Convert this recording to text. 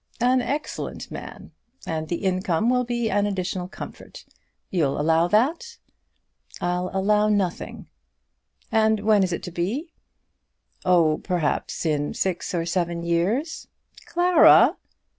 "An excellent man! And the income will be an additional comfort; you'll allow that?" "I'll allow nothing." "And when is it to be?" "Oh, perhaps in six or seven years." "Clara!"